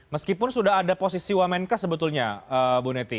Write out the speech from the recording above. meskipun sudah ada posisi wamenkes sebetulnya bu neti